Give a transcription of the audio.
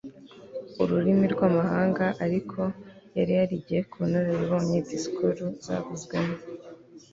ururimi rw'amahanga, ariko yari yarigiye ku bunararibonye disikuru zavuzwemo